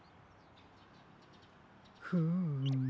フーム。